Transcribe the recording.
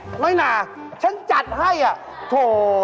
ฉันรู้หมดนี่น้อยหนาฉันจัดให้โถ่